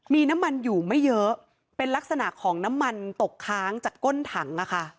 มีน้ำมันอยู่ไม่เยอะเป็นลักษณะของน้ำมันตกค้างจากก้นถัง